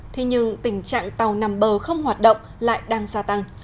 thế nhưng tình trạng tàu nằm bờ không hoạt động lại đang gia tăng